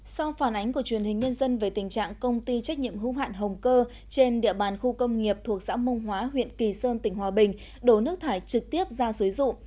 sau phản ánh của truyền hình nhân dân về tình trạng công ty trách nhiệm hưu hạn hồng cơ trên địa bàn khu công nghiệp thuộc xã mông hóa huyện kỳ sơn tỉnh hòa bình đổ nước thải trực tiếp ra suối rụ